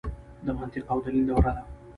د منطق او دلیل دوره ده.